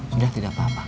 sudah tidak apa apa